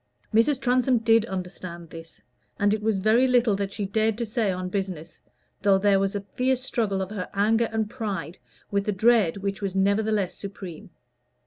Mrs. Transome did understand this; and it was very little that she dared to say on business, though there was a fierce struggle of her anger and pride with a dread which was nevertheless supreme.